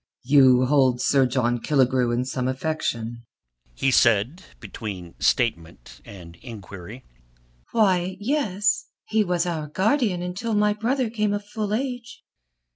"You hold Sir John Killigrew in some affection?" he said between statement and inquiry. "Why, yes. He was our guardian until my brother came of full age."